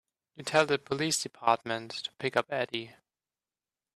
You tell the police department to pick up Eddie.